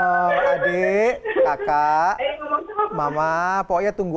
ya cuma pengen insinilin karena udah sampai sebagai dongeng dulu